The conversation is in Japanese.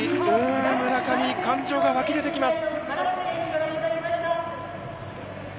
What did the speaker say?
村上、感情が湧き出てきます。